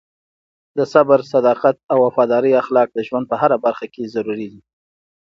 د صبر، صداقت او وفادارۍ اخلاق د ژوند په هره برخه کې ضروري دي.